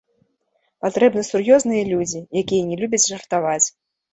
Патрэбны сур'ёзныя людзі, якія не любяць жартаваць.